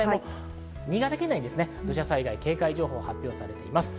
新潟県内に土砂災害警戒情報が発表されています。